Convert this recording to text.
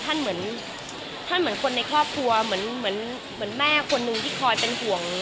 ท่านเหมือนคนในครอบครัวเหมือนแม่คนนึงที่คอยเป็นห่วง